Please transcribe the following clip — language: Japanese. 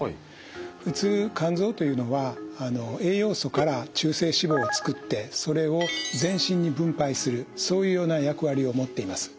普通肝臓というのは栄養素から中性脂肪を作ってそれを全身に分配するそういうような役割を持っています。